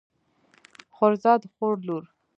خورزه د خور لور.